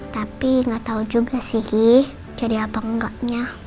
tapi gak tau juga sih jadi apa enggaknya